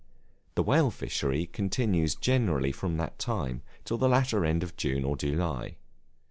The whale fishery continues generally from that time till the latter end of June or July.